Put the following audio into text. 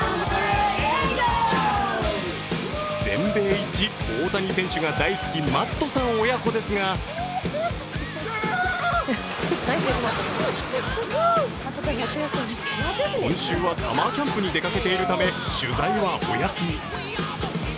全米一大谷選手が大好きマットさん親子ですが今週はサマーキャンプに出かけているため取材はお休み。